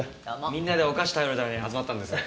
みんなでお菓子食べるために集まったんです。